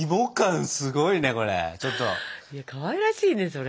かわいらしいねそれ。